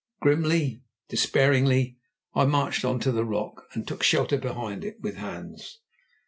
Grimly, despairingly, I marched on to the rock, and took shelter behind it with Hans.